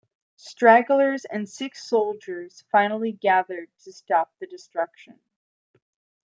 Stragglers and sick soldiers finally gathered to stop the destruction.